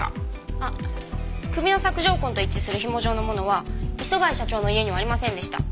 あっ首の索条痕と一致する紐状のものは磯貝社長の家にはありませんでした。